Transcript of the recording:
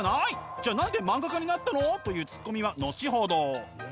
じゃあ何で漫画家になったの？というツッコミは後ほど。